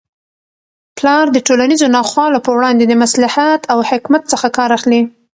پلار د ټولنیزو ناخوالو په وړاندې د مصلحت او حکمت څخه کار اخلي.